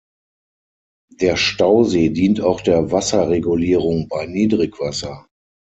Der Stausee dient auch der Wasserregulierung bei Niedrigwasser.